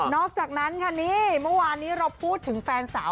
อกจากนั้นค่ะนี่เมื่อวานนี้เราพูดถึงแฟนสาว